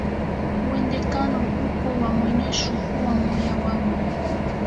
Uwedhekano uko wa mwenechu kuwa moya wao